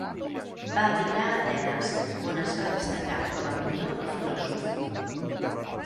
Va emigrar a Atenes on es va destacar com a pintor i filòsof.